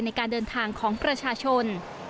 ในการเดินทางของประชาชน